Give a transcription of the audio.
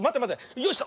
よいしょ！